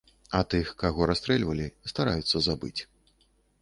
А тых, каго расстрэльвалі, стараюцца забыць.